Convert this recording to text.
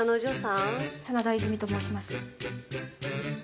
真田和泉と申します。